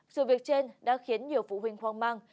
sự việc trên đã khiến nhiều phụ huynh hoang mang